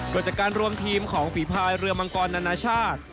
เกิดจากการรวมทีมของฝีภายเรือมังกรนานาชาติ